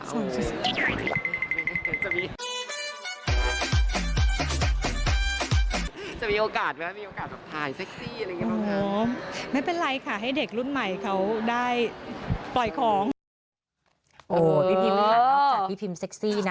ทีนึงจะมีโอกาสขะมีโอกาสตัวไทยแซ็กซี่อะไรเนี่ยไม่เป็นไรค่ะให้เด็กรุ่นใหม่เขาได้ปล่อยคลอง